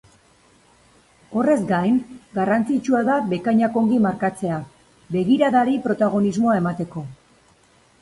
Horrez gain, garrantzitsua da bekainak ongi markatzea, begiradari protagonismoa emateko.